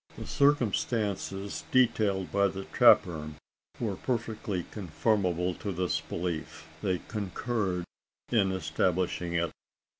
The circumstances detailed by the trapper were perfectly conformable to this belief they concurred in establishing it.